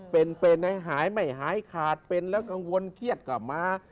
เป็นเป็นให้หายไม่หายขาดเป็นแล้วกังวลเครียดกลับมา